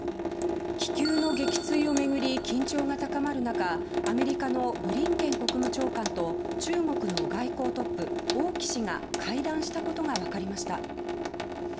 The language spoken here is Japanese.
気球の撃墜を巡り緊張が高まる中アメリカのブリンケン国務長官と中国の外交トップ、王毅氏が会談したことが分かりました。